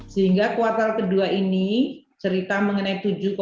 sehingga kuartal ke dua ini cerita mengenai tujuh tujuh